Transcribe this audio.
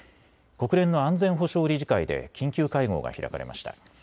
国連の安全保障理事会で緊急会合が開かれました。